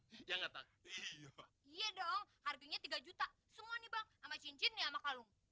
harganya tiga juta semua nih bang